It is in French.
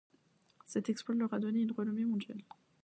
Cet exploit leur a donné une renommée mondiale.